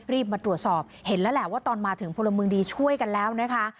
มาตรวจสอบเห็นแล้วแหละว่าตอนมาถึงพลเมืองดีช่วยกันแล้วนะคะ